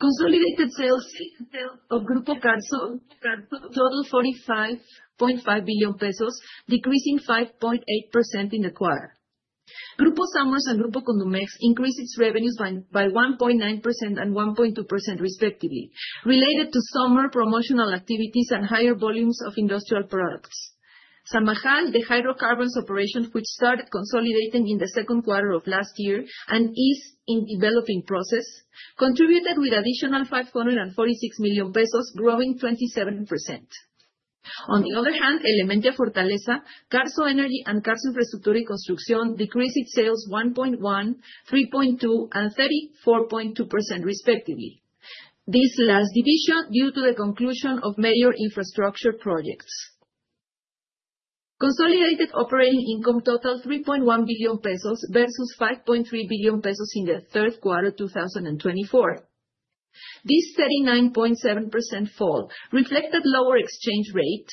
Consolidated sales of Grupo Carso totaled $45.5 billion pesos, decreasing 5.8% in the quarter. Grupo Summers and Grupo Condomex increased their revenues by 1.9% and 1.2%, respectively, related to summer promotional activities and higher volumes of industrial products. Samajal, the hydrocarbons operation, which started consolidating in the second quarter of last year and is in developing process, contributed with additional $546 million pesos, growing 27%. On the other hand, Elementia Fortaleza, Carso Energy, and Carso Infrastructure and Construction decreased their sales 1.1%, 3.2%, and 34.2%, respectively. This last division is due to the conclusion of major infrastructure projects. Consolidated operating income totaled $3.1 billion pesos versus $5.3 billion pesos in the third quarter of 2024. This 39.7% fall reflected lower exchange rate,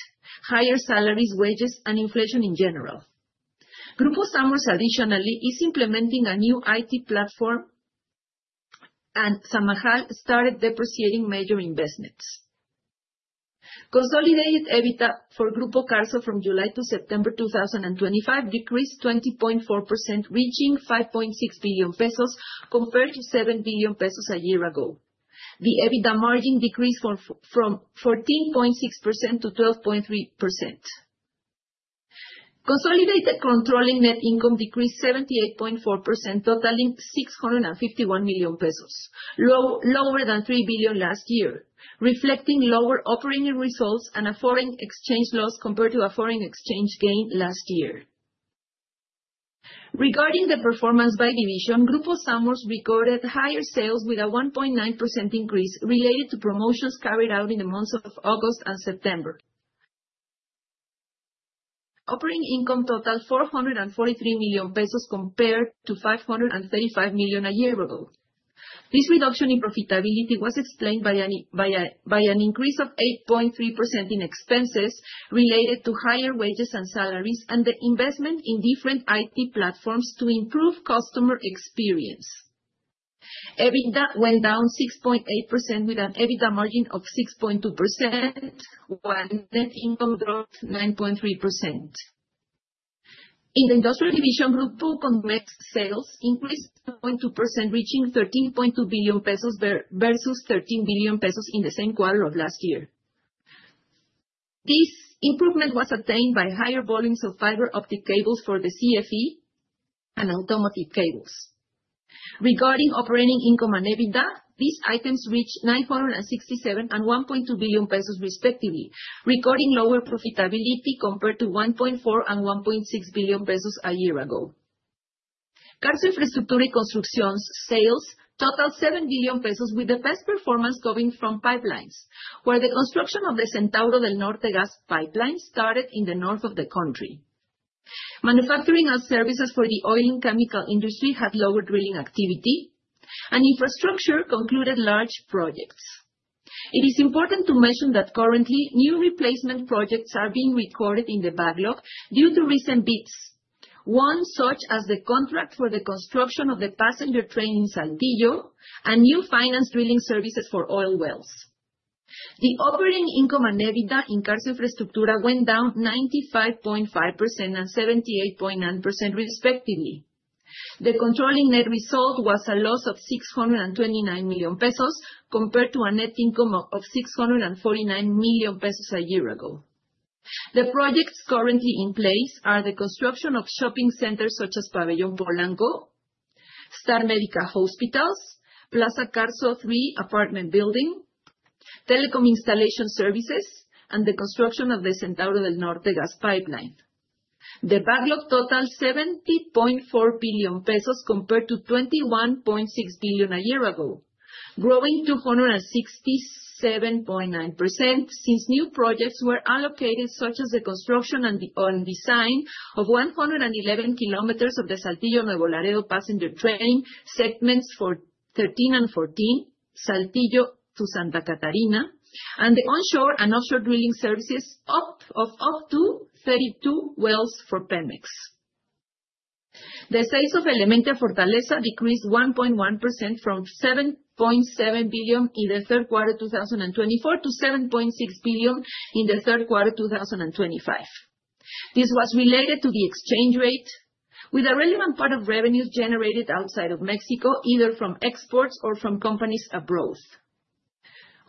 higher salaries, wages, and inflation in general. Grupo Summers, additionally, is implementing a new IT platform, and Samajal started depreciating major investments. Consolidated EBITDA for Grupo Carso from July to September 2025 decreased 20.4%, reaching $5.6 billion pesos, compared to $7 billion pesos a year ago. The EBITDA margin decreased from 14.6% to 12.3%. Consolidated controlling net income decreased 78.4%, totaling $651 million pesos, lower than $3 billion last year, reflecting lower operating results and a foreign exchange loss compared to a foreign exchange gain last year. Regarding the performance by division, Grupo Summers recorded higher sales with a 1.9% increase related to promotions carried out in the months of August and September. Operating income totaled $443 million pesos compared to $535 million a year ago. This reduction in profitability was explained by an increase of 8.3% in expenses related to higher wages and salaries and the investment in different IT platforms to improve customer experience. EBITDA went down 6.8% with an EBITDA margin of 6.2%, while net income dropped 9.3%. In the industrial division, Grupo Condomex sales increased 0.2%, reaching $13.2 billion pesos versus $13 billion pesos in the same quarter of last year. This improvement was attained by higher volumes of fiber optic cables for the CFE and automotive cables. Regarding operating income and EBITDA, these items reached $967 million and $1.2 billion pesos, respectively, recording lower profitability compared to $1.4 billion and $1.6 billion pesos a year ago. Carso Infrastructure and Construction sales totaled $7 billion pesos, with the best performance coming from pipelines, where the construction of the Centauro del Norte gas pipeline started in the north of the country. Manufacturing and services for the oil and chemical industry had lower drilling activity, and infrastructure concluded large projects. It is important to mention that currently, new replacement projects are being recorded in the backlog due to recent bids, one such as the contract for the construction of the passenger train in Saltillo and new finance drilling services for oil wells. The operating income and EBITDA in Carso Infrastructure went down 95.5% and 78.9%, respectively. The controlling net result was a loss of $629 million pesos compared to a net income of $649 million pesos a year ago. The projects currently in place are the construction of shopping centers such as Pabellón Polanco, Star Medica Hospitals, Plaza Carso 3 apartment building, Telecom Installation Services, and the construction of the Centauro del Norte gas pipeline. The backlog totaled $70.4 billion pesos compared to $21.6 billion a year ago, growing 267.9% since new projects were allocated, such as the construction and design of 111 kilometers of the Saltillo-Nuevo Laredo passenger train segments for 13 and 14, Saltillo to Santa Catarina, and the onshore and offshore drilling services of up to 32 wells for Pemex. The sales of Elementia Fortaleza decreased 1.1% from $7.7 billion in the third quarter of 2024 to $7.6 billion in the third quarter of 2025. This was related to the exchange rate, with a relevant part of revenues generated outside of Mexico, either from exports or from companies abroad.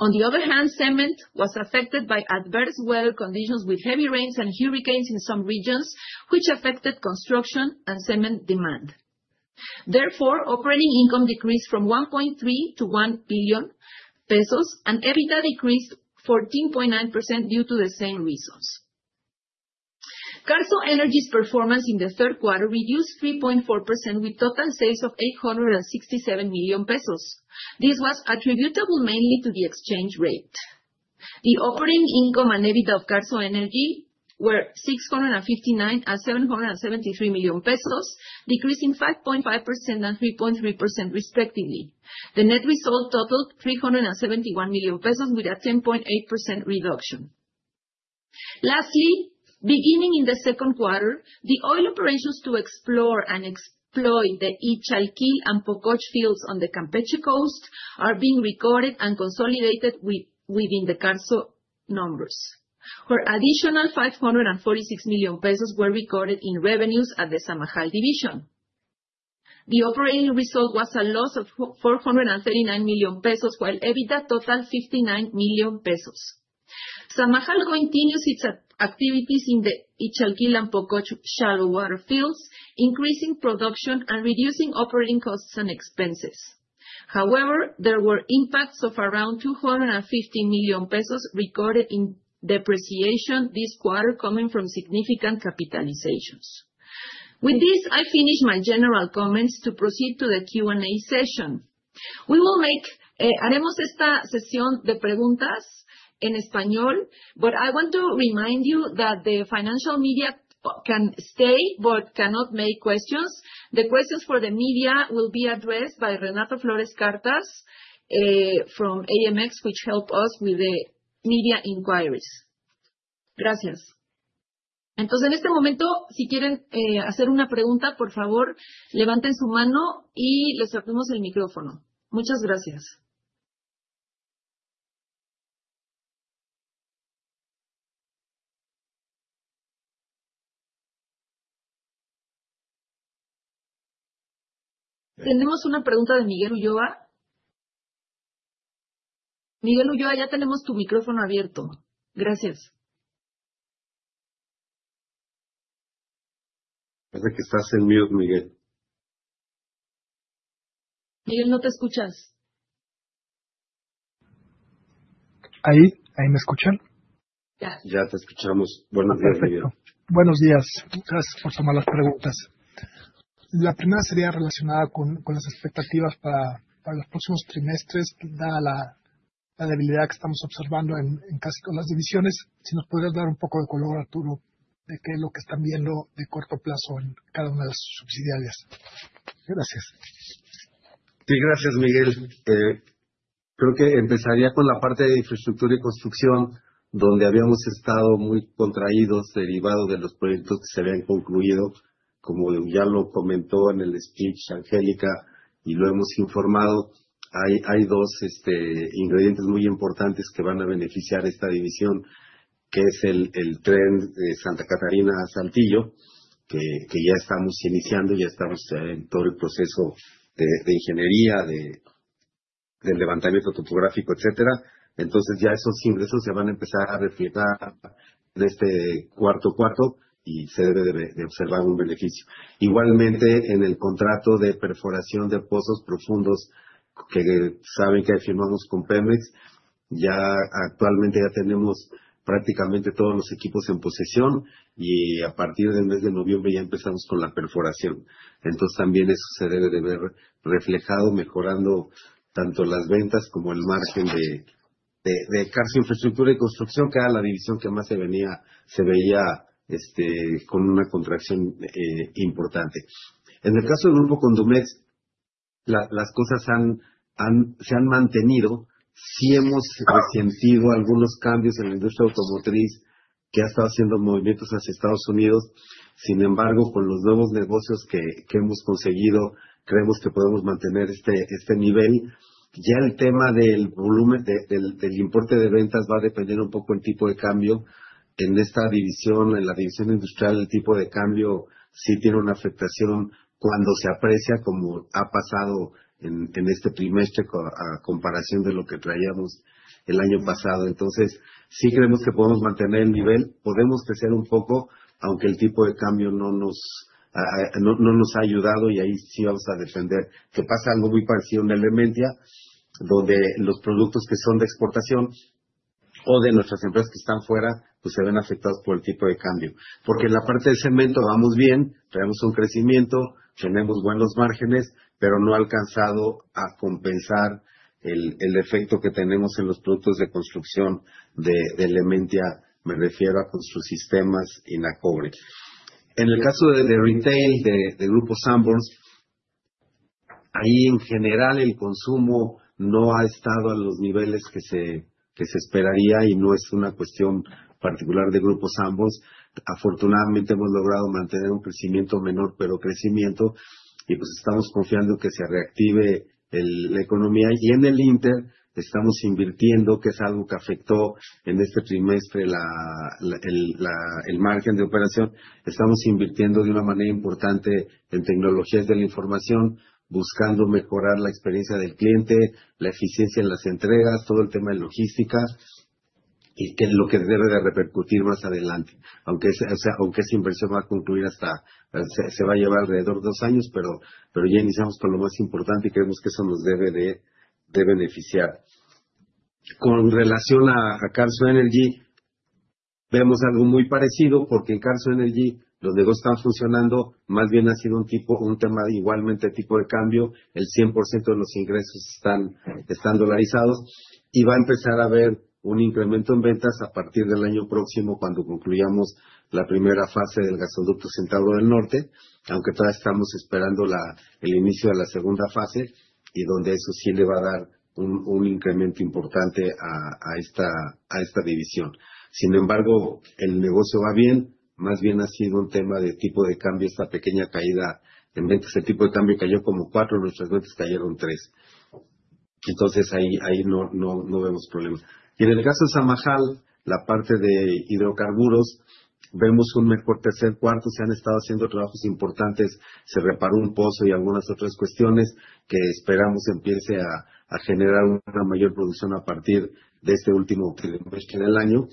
On the other hand, cement was affected by adverse weather conditions with heavy rains and hurricanes in some regions, which affected construction and cement demand. Therefore, operating income decreased from $1.3 to $1 billion pesos, and EBITDA decreased 14.9% due to the same reasons. Carso Energy's performance in the third quarter reduced 3.4%, with total sales of $867 million pesos. This was attributable mainly to the exchange rate. The operating income and EBITDA of Carso Energy were $659 and $773 million pesos, decreasing 5.5% and 3.3%, respectively. The net result totaled $371 million pesos, with a 10.8% reduction. Lastly, beginning in the second quarter, the oil operations to explore and exploit the Ixchalquil and Pococh fields on the Campeche coast are being recorded and consolidated within the Carso numbers, where additional $546 million pesos were recorded in revenues at the Samajal division. The operating result was a loss of $439 million pesos, while EBITDA totaled $59 million pesos. Samajal continues its activities in the Ixchalquil and Pococh shallow water fields, increasing production and reducing operating costs and expenses. However, there were impacts of around $250 million recorded in depreciation this quarter, coming from significant capitalizations. With this, I finish my general comments to proceed to the Q&A session. We will make this question session in Spanish, but I want to remind you that the financial media can stay but cannot make questions. The questions for the media will be addressed by Renato Flores Cartas from AMX, which helps us with the media inquiries. Thank you. So, at this moment, if you want to ask a question, please raise your hand and we will open the microphone for you. Thank you very much. We have a question from Miguel Ulloa. Miguel Ulloa, we now have your microphone open. Thank you. Parece que estás en mute, Miguel. Miguel, no te escuchas. ¿Ahí me escuchan? Ya te escuchamos. Buenos días, Miguel. Buenos días. Gracias por tomar las preguntas. La primera sería relacionada con las expectativas para los próximos trimestres, dada la debilidad que estamos observando en casi todas las divisiones. Si nos podrías dar un poco de color, Arturo, de qué es lo que están viendo de corto plazo en cada una de las subsidiarias. Gracias. Sí, gracias, Miguel. Creo que empezaría con la parte de infraestructura y construcción, donde habíamos estado muy contraídos, derivado de los proyectos que se habían concluido, como ya lo comentó en el speech Angélica y lo hemos informado. Hay dos ingredientes muy importantes que van a beneficiar esta división, que es el tren de Santa Catarina a Saltillo, que ya estamos iniciando, ya estamos en todo el proceso de ingeniería, del levantamiento topográfico, etcétera. Entonces, ya esos ingresos se van a empezar a reflejar de este cuarto a cuarto y se debe de observar un beneficio. Igualmente, en el contrato de perforación de pozos profundos que saben que firmamos con Pemex, ya actualmente tenemos prácticamente todos los equipos en posesión y a partir del mes de noviembre ya empezamos con la perforación. Entonces, también eso se debe de ver reflejado, mejorando tanto las ventas como el margen de Carso Infraestructura y Construcción, que era la división que más se veía con una contracción importante. En el caso de Grupo Condomex, las cosas se han mantenido. Sí hemos resentido algunos cambios en la industria automotriz, que ha estado haciendo movimientos hacia Estados Unidos. Sin embargo, con los nuevos negocios que hemos conseguido, creemos que podemos mantener este nivel. Ya el tema del importe de ventas va a depender un poco del tipo de cambio. En esta división, en la división industrial, el tipo de cambio sí tiene una afectación cuando se aprecia, como ha pasado en este trimestre a comparación de lo que traíamos el año pasado. Entonces, sí creemos que podemos mantener el nivel, podemos crecer un poco, aunque el tipo de cambio no nos ha ayudado y ahí sí vamos a defender. Pasa algo muy parecido en Elementia, donde los productos que son de exportación o de nuestras empresas que están fuera, pues se ven afectados por el tipo de cambio. Porque en la parte de cemento vamos bien, tenemos un crecimiento, tenemos buenos márgenes, pero no ha alcanzado a compensar el efecto que tenemos en los productos de construcción de Elementia, me refiero a sus sistemas INACOBRE. En el caso de retail de Grupo Sambors, ahí en general el consumo no ha estado a los niveles que se esperaría y no es una cuestión particular de Grupo Sambors. Afortunadamente, hemos logrado mantener un crecimiento menor, pero crecimiento, y estamos confiando en que se reactive la economía. Y en el ínterin, estamos invirtiendo, que es algo que afectó en este trimestre el margen de operación, estamos invirtiendo de una manera importante en tecnologías de la información, buscando mejorar la experiencia del cliente, la eficiencia en las entregas, todo el tema de logística, y que es lo que debe repercutir más adelante. Aunque esa inversión va a concluir hasta, se va a llevar alrededor de dos años, pero ya iniciamos con lo más importante y creemos que eso nos debe beneficiar. Con relación a Carso Energy, vemos algo muy parecido, porque en Carso Energy los negocios están funcionando. Más bien ha sido un tema igualmente de tipo de cambio, el 100% de los ingresos están dolarizados, y va a empezar a haber un incremento en ventas a partir del año próximo cuando concluyamos la primera fase del gasoducto Centauro del Norte, aunque todavía estamos esperando el inicio de la segunda fase, y donde eso sí le va a dar un incremento importante a esta división. Sin embargo, el negocio va bien, más bien ha sido un tema de tipo de cambio, esta pequeña caída en ventas. El tipo de cambio cayó como 4%, nuestras ventas cayeron 3%. Entonces, ahí no vemos problemas. Y en el caso de Samajal, la parte de hidrocarburos, vemos un mejor tercer cuarto, se han estado haciendo trabajos importantes, se reparó un pozo y algunas otras cuestiones, que esperamos empiece a generar una mayor producción a partir de este último trimestre del año,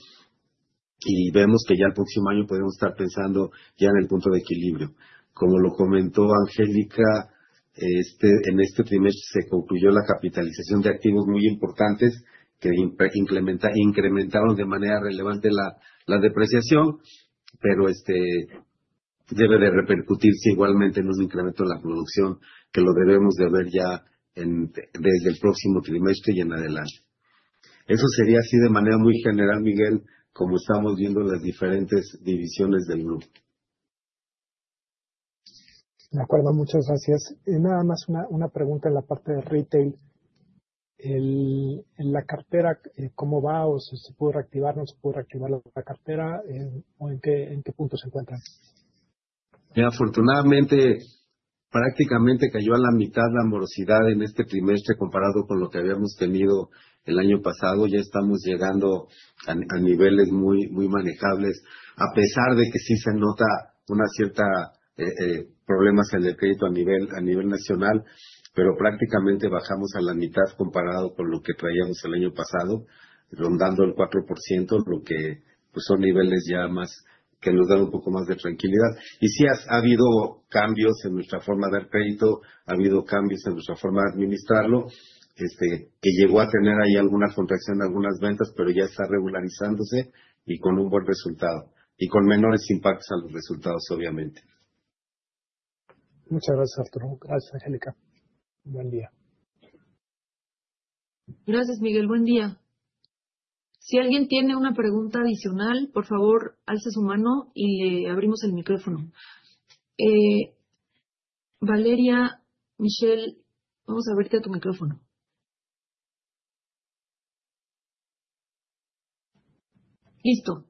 y vemos que ya el próximo año podemos estar pensando ya en el punto de equilibrio. Como lo comentó Angélica, en este trimestre se concluyó la capitalización de activos muy importantes, que incrementaron de manera relevante la depreciación, pero debe de repercutirse igualmente en un incremento en la producción, que lo debemos de ver ya desde el próximo trimestre y en adelante. Eso sería así de manera muy general, Miguel, como estamos viendo las diferentes divisiones del grupo. De acuerdo, muchas gracias. Nada más una pregunta en la parte de retail. La cartera, ¿cómo va? ¿Se pudo reactivar o no se pudo reactivar la cartera? ¿En qué punto se encuentra? Afortunadamente, prácticamente cayó a la mitad la morosidad en este trimestre comparado con lo que habíamos tenido el año pasado. Ya estamos llegando a niveles muy manejables, a pesar de que sí se nota un cierto problema hacia el descrédito a nivel nacional, pero prácticamente bajamos a la mitad comparado con lo que traíamos el año pasado, rondando el 4%, lo que son niveles ya más que nos dan un poco más de tranquilidad. Y sí ha habido cambios en nuestra forma de ver crédito, ha habido cambios en nuestra forma de administrarlo, que llegó a tener ahí alguna contracción de algunas ventas, pero ya está regularizándose y con un buen resultado, y con menores impactos a los resultados, obviamente. Muchas gracias, Arturo. Gracias, Angélica. Buen día. Gracias, Miguel. Buen día. Si alguien tiene una pregunta adicional, por favor, alce su mano y le abrimos el micrófono. Valeria, Michelle, vamos a abrirte tu micrófono. Listo.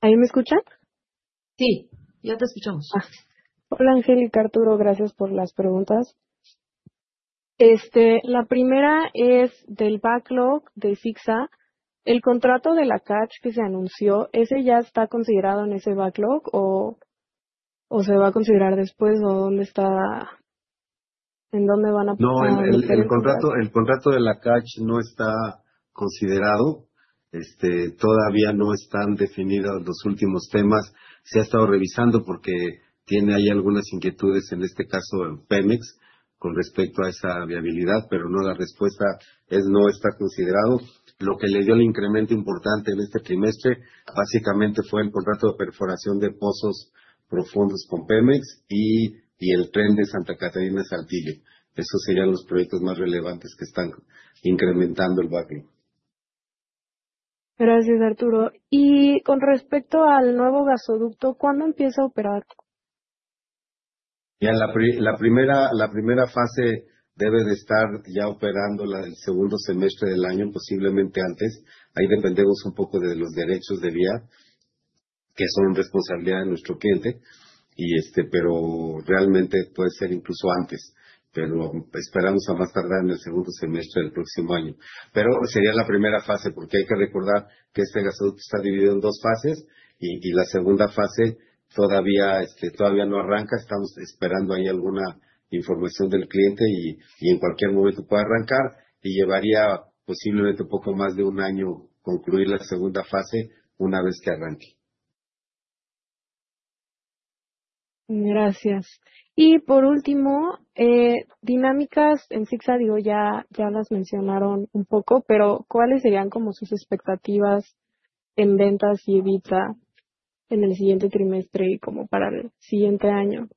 ¿Ahí me escuchan? Sí, ya te escuchamos. Hola, Angélica Arturo. Gracias por las preguntas. La primera es del backlog de IFICSA. El contrato de la CACH que se anunció, ¿ese ya está considerado en ese backlog o se va a considerar después? ¿En dónde van a aplicar? No, el contrato de la CACH no está considerado. Todavía no están definidos los últimos temas. Se ha estado revisando porque tiene ahí algunas inquietudes, en este caso en Pemex, con respecto a esa viabilidad, pero la respuesta es: no está considerado. Lo que le dio el incremento importante en este trimestre, básicamente, fue el contrato de perforación de pozos profundos con Pemex y el tren de Santa Catarina a Saltillo. Esos serían los proyectos más relevantes que están incrementando el backlog. Gracias, Arturo. Y con respecto al nuevo gasoducto, ¿cuándo empieza a operar? Ya la primera fase debe de estar ya operando el segundo semestre del año, posiblemente antes. Ahí dependemos un poco de los derechos de vía, que son responsabilidad de nuestro cliente, pero realmente puede ser incluso antes. Pero esperamos a más tardar en el segundo semestre del próximo año. Pero sería la primera fase, porque hay que recordar que este gasoducto está dividido en dos fases, y la segunda fase todavía no arranca. Estamos esperando ahí alguna información del cliente y en cualquier momento puede arrancar, y llevaría posiblemente un poco más de un año concluir la segunda fase una vez que arranque. Gracias. Y por último, dinámicas en IFICSA, digo, ya las mencionaron un poco, pero ¿cuáles serían sus expectativas en ventas y EBITDA en el siguiente trimestre y como para el siguiente año?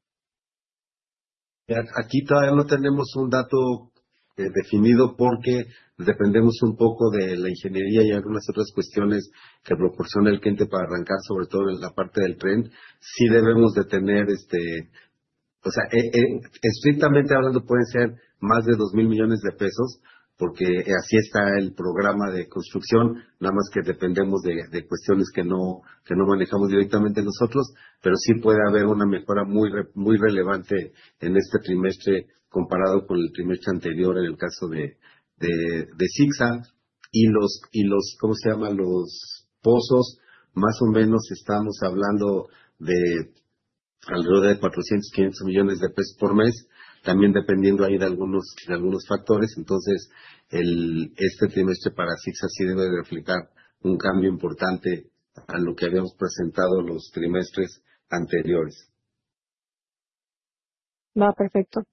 Aquí todavía no tenemos un dato definido porque dependemos un poco de la ingeniería y algunas otras cuestiones que proporciona el cliente para arrancar, sobre todo en la parte del tren. Sí debemos de tener, o sea, estrictamente hablando, pueden ser más de $2,000 millones de pesos, porque así está el programa de construcción. Nada más que dependemos de cuestiones que no manejamos directamente nosotros, pero sí puede haber una mejora muy relevante en este trimestre comparado con el trimestre anterior en el caso de IFICSA. Y los pozos, más o menos estamos hablando de alrededor de $400, $500 millones de pesos por mes, también dependiendo ahí de algunos factores. Entonces, este trimestre para IFICSA sí debe de reflejar un cambio importante a lo que habíamos presentado los trimestres anteriores. Perfecto.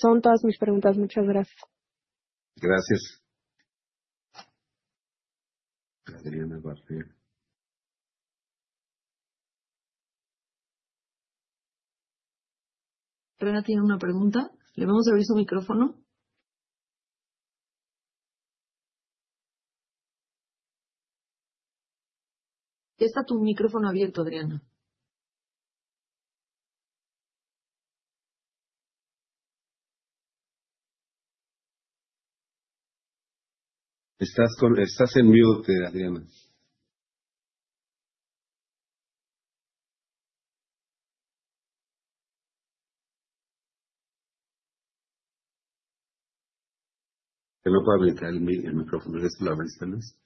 Son todas mis preguntas. Muchas gracias. Gracias. Adriana García. Adriana tiene una pregunta. Le vamos a abrir su micrófono. Ya está tu micrófono abierto, Adriana. Estás en mute, Adriana. Te lo puedo habilitar el micrófono. Déjame abrirte más.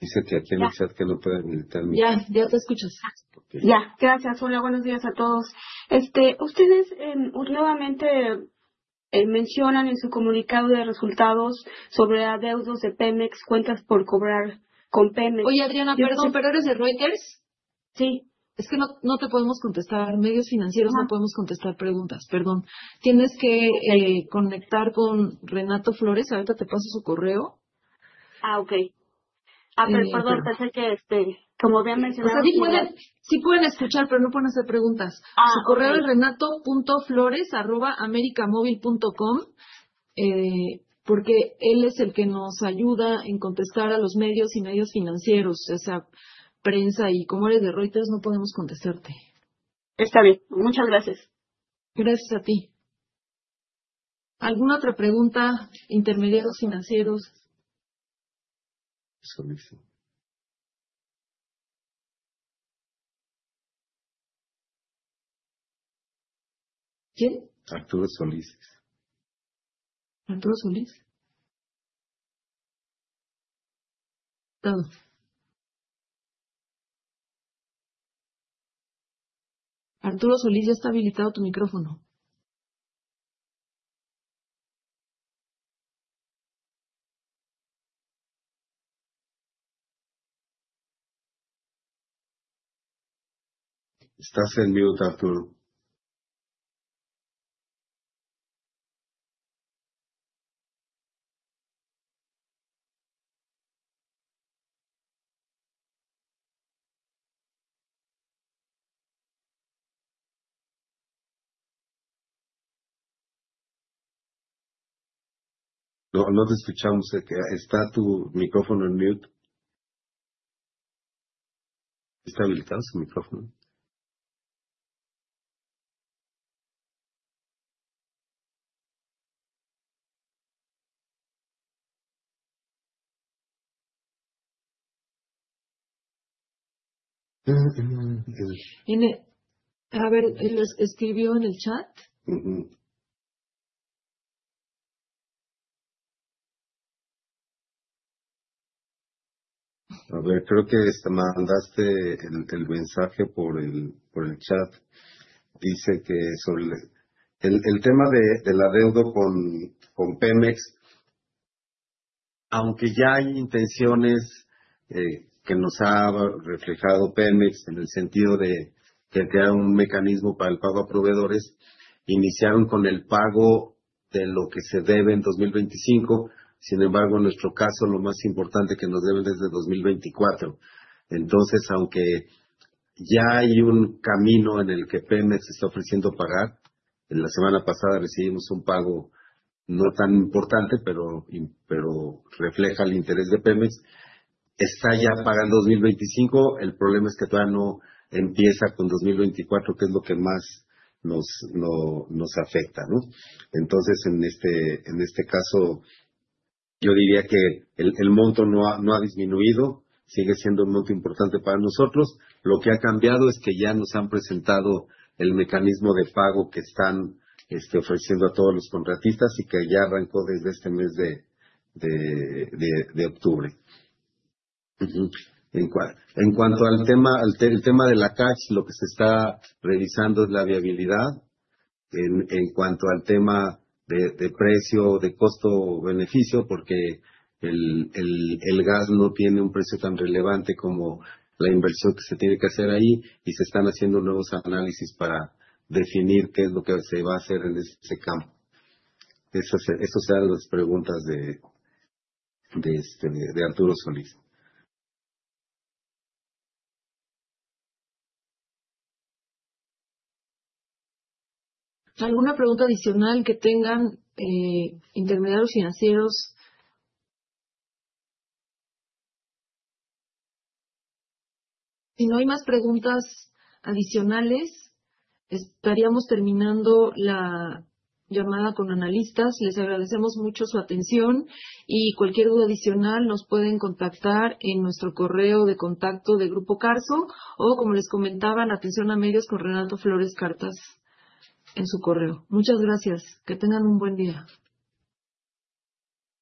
Dice que aquí en el chat que no pueden habilitarme. Sí, ya te escucho. Sí. Gracias, Julio. Buenos días a todos. Ustedes nuevamente mencionan en su comunicado de resultados sobre adeudos de Pemex, cuentas por cobrar con Pemex. Oye, Adriana, perdón. ¿Pero eres de Reuters? Sí. Es que no te podemos contestar. Medios financieros no podemos contestar preguntas. Perdón. Tienes que conectar con Renato Flores. Ahorita te paso su correo. Okay. Perdón, pensé que como habían mencionado. Sí pueden escuchar, pero no pueden hacer preguntas. Su correo es renato.flores@americamovil.com, porque él es el que nos ayuda en contestar a los medios y medios financieros, o sea, prensa. Y como eres de Reuters, no podemos contestarte. Está bien. Muchas gracias. Gracias a ti. ¿Alguna otra pregunta? Intermediarios financieros. Solís. ¿Quién? Arturo Solís. Arturo Solís? Todo. Arturo Solís, ya está habilitado tu micrófono. Estás en mute, Arturo. No te escuchamos. ¿Está tu micrófono en mute? ¿Está habilitado su micrófono? A ver, ¿lo escribió en el chat? A ver, creo que me mandaste el mensaje por el chat. Dice que el tema del adeudo con Pemex, aunque ya hay intenciones que nos ha reflejado Pemex en el sentido de crear un mecanismo para el pago a proveedores, iniciaron con el pago de lo que se debe en 2025. Sin embargo, en nuestro caso, lo más importante que nos deben es de 2024. Entonces, aunque ya hay un camino en el que Pemex está ofreciendo pagar, la semana pasada recibimos un pago no tan importante, pero refleja el interés de Pemex, está ya pagando 2025. El problema es que todavía no empieza con 2024, que es lo que más nos afecta. Entonces, en este caso, yo diría que el monto no ha disminuido, sigue siendo un monto importante para nosotros. Lo que ha cambiado es que ya nos han presentado el mecanismo de pago que están ofreciendo a todos los contratistas, y que ya arrancó desde este mes de octubre. En cuanto al tema de la CACH, lo que se está revisando es la viabilidad en cuanto al tema de precio, de costo-beneficio, porque el gas no tiene un precio tan relevante como la inversión que se tiene que hacer ahí, y se están haciendo nuevos análisis para definir qué es lo que se va a hacer en ese campo. Esas eran las preguntas de Arturo Solís. ¿Alguna pregunta adicional que tengan intermediarios financieros? Si no hay más preguntas adicionales, estaríamos terminando la llamada con analistas. Les agradecemos mucho su atención, y cualquier duda adicional nos pueden contactar en nuestro correo de contacto de Grupo Carso o, como les comentaban, atención a medios con Renato Flores Cartas en su correo. Muchas gracias. Que tengan un buen día.